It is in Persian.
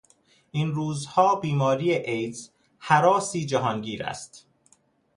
این روزها بیماری ایدز هراسی جهانگیر است.